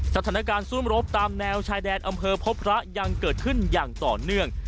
สถานการณ์ซุ่มรบตามแนวชายแดนอำเภอพบพระยังเกิดขึ้นอย่างต่อเนื่อง